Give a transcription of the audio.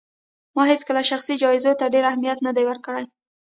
ما هيڅکله شخصي جايزو ته ډېر اهمیت نه دی ورکړی